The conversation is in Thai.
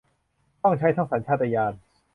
ต้องใช้ทั้งสัญชาตญาณ